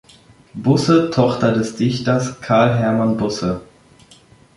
Busse, Tochter des Dichters Carl Hermann Busse.